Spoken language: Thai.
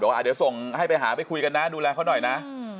ว่าเดี๋ยวส่งให้ไปหาไปคุยกันนะดูแลเขาหน่อยนะ